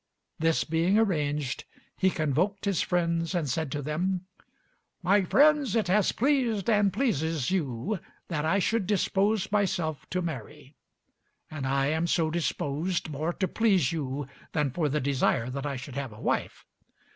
This being arranged, he convoked his friends and said to them: "My friends! it has pleased and pleases you that I should dispose myself to marry, and I am so disposed more to please you than for the desire that I should have a wife.